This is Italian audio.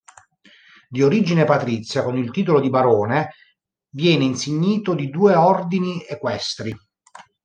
Di origine patrizia, con il titolo di barone, viene insignito di due ordini equestri.